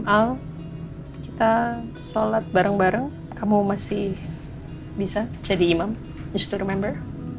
al kita sholat bareng bareng kamu masih bisa jadi imam just to remember